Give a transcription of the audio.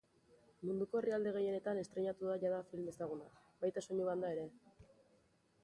Munduko herrialde gehienetan estreinatu da jada film ezaguna, baita soinu-banda ere.